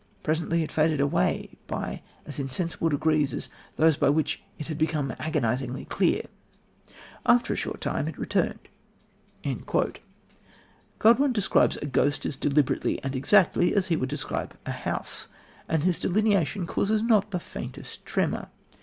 Presently it faded away by as insensible degrees as those by which it had become agonisingly clear. After a short time it returned." Godwin describes a ghost as deliberately and exactly as he would describe a house, and his delineation causes not the faintest tremor.